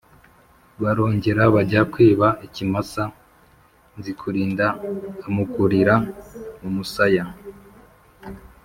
Barongera bajya kwiba, ikimasa, Nzikurinda amukurira umusaya